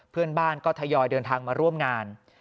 เพื่อนบ้านก็ทยอยเดินทางมาร่วมงาน